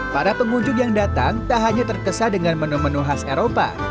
para pengunjung yang datang tak hanya terkesan dengan menu menu khas eropa